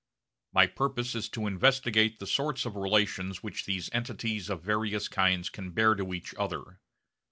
My purpose is to investigate the sorts of relations which these entities of various kinds can bear to each other.